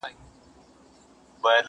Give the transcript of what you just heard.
لا یې ځای نه وو معلوم د کوم وطن وو٫